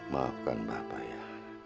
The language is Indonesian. maafkan bapak ya